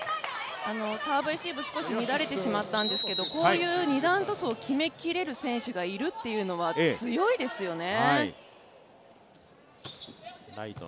サーブレシーブ少し乱れてしまったんですけれども、こういう二段トスを決めきれる選手がいるというのは強いですよね。